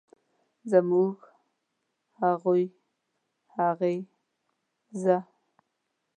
زموږ، هغوی ، هغې ،زه